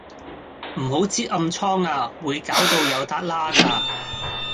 唔好擳暗瘡呀，會搞到有笪瘌架